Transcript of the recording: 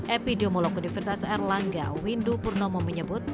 epidemiologi virtus air langga windu purnomo menyebut